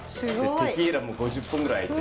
テキーラも５０本ぐらい空いて。